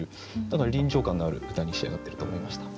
だから臨場感のある歌に仕上がってると思いました。